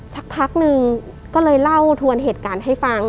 สักพักนึงก็เลยเล่าทวนเหตุการณ์ให้ฟัง